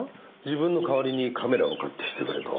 自分の代わりにカメラを買ってきてくれと。